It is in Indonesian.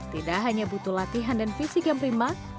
tidak hanya butuh latihan dan fisik yang prima